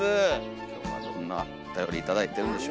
今日はどんなおたより頂いてるんでしょうか。